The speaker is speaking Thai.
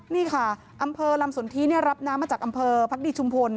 นี่ค่ะอำเภอลำสนทิรับน้ำมาจากอำเภอพักดีชุมพล